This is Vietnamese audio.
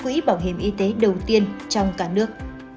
quỹ bảo hiểm y tế đầu tiên trong cả nước